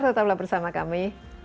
tetaplah bersama kami